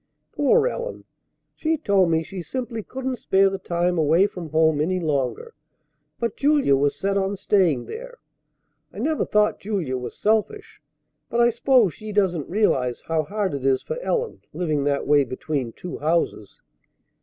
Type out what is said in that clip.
Poor Ellen! She told me she simply couldn't spare the time away from home any longer, but Julia was set on staying there. I never thought Julia was selfish; but I s'pose she doesn't realize how hard it is for Ellen, living that way between two houses.